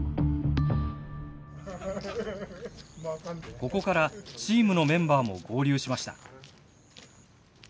ここからチームのメンバーも合流しました。